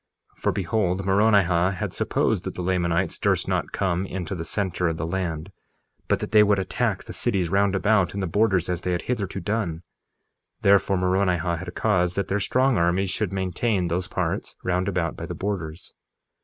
1:26 For behold, Moronihah had supposed that the Lamanites durst not come into the center of the land, but that they would attack the cities round about in the borders as they had hitherto done; therefore Moronihah had caused that their strong armies should maintain those parts round about by the borders.